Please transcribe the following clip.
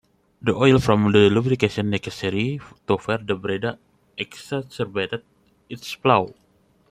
The oil from the lubrication necessary to fire the Breda exacerbated its flaws.